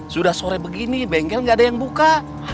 sudah sore begini bengkel gak ada yang buka